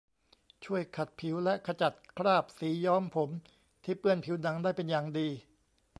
ช่วยขัดผิวและขจัดคราบสีย้อมผมที่เปื้อนผิวหนังได้เป็นอย่างดี